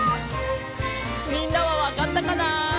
みんなはわかったかな？